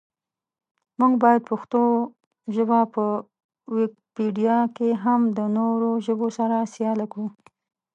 مونږ باید پښتو ژبه په ویکیپېډیا کې هم د نورو ژبو سره سیاله کړو.